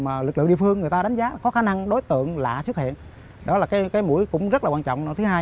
có khả năng mà lực lượng địa phương đánh giá có khả năng đối tượng lạ xuất hiện đó là cái mũi cũng rất là quan trọng